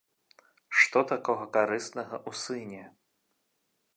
Што такога карыснага ў сыне?